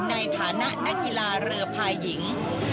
ในฐานะนักกีฬาเรือพายหญิง